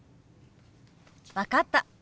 分かった。